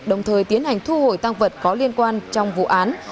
đồng thời tiến hành thu hồi tăng vật có liên quan trong vụ án